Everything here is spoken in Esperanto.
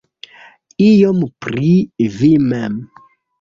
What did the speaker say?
Iom pri vi mem.